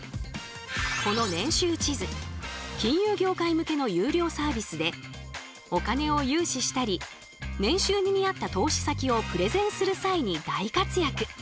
この年収地図金融業界向けの有料サービスでお金を融資したり年収に見合った投資先をプレゼンする際に大活躍。